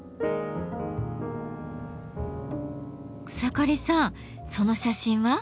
草刈さんその写真は？